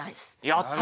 やった！